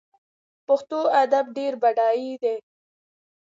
پښتو ادب ډیر بډای دی